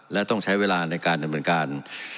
และต้องใช้เวลาในการเหมือนกัน